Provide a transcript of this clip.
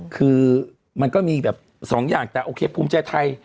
คือมันก็มีแบบสองอย่างแต่โอเคภูมิใจไทย